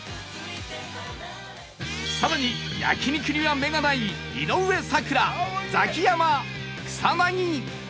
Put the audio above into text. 更に焼肉には目がない井上咲楽ザキヤマ草薙